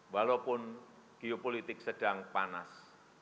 walaupun geopolitik sedang panas